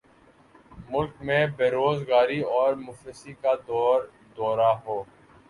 ملک میں بیروزگاری اور مفلسی کا دور دورہ ہو